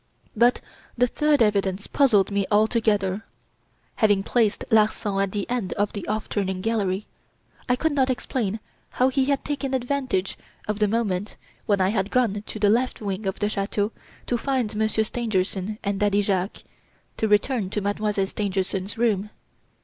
"But the third evidence puzzled me altogether. Having placed Larsan at the end of the 'off turning gallery,' I could not explain how he had taken advantage of the moment when I had gone to the left wing of the chateau to find Monsieur Stangerson and Daddy Jacques, to return to Mademoiselle Stangerson's room.